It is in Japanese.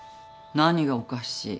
何がおかしい。